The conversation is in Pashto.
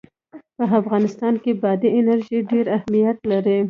په افغانستان کې بادي انرژي ډېر اهمیت لري.